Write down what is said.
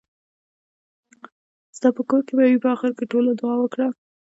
ستاپه کور کې به وي. په اخېر کې ټولو دعا وکړه .